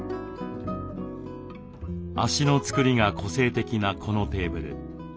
脚のつくりが個性的なこのテーブル